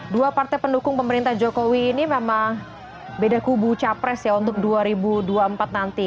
dua partai pendukung pemerintah jokowi ini memang beda kubu capres ya untuk dua ribu dua puluh empat nanti